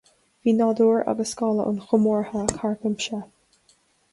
Bhí nádúr agus scála an chomórtha thar cuimse